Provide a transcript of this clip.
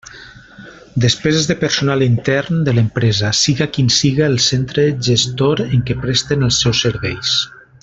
Despeses de personal intern de l'empresa, siga quin siga el centre gestor en què presten els seus serveis.